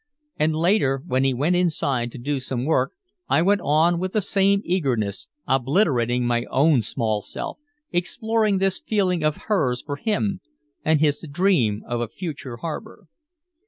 And later, when he went inside to do some work, I went on with the same eagerness, obliterating my own small self, exploring this feeling of hers for him and his dream of a future harbor.